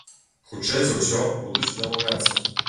Хутчэй за ўсё, будуць дамаўляцца.